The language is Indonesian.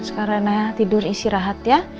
sekarang ya naya tidur isi rahat ya